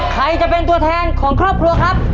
ใครจะเป็นตัวแทนของครอบครัวครับ